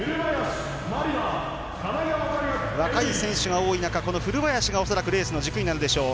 若い選手が多い中、この古林が恐らくレースの軸になるでしょう。